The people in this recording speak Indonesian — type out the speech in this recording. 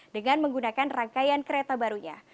dengan menggunakan rangkaian kereta barunya